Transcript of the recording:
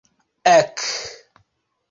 Ek!